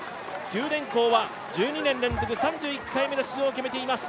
九電工は１２年連続３１回目の出場を決めています。